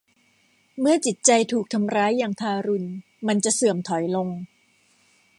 เมื่อจิตใจถูกทำร้ายอย่างทารุณมันจะเสื่อมถอยลง